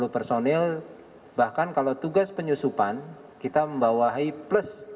lima puluh personil bahkan kalau tugas penyusupan kita membawahi plus satu regu pasangannya